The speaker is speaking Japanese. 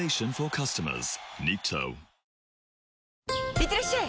いってらっしゃい！